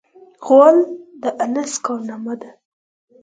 غول د نس کارنامه ده.